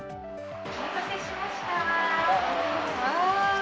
お待たせしました。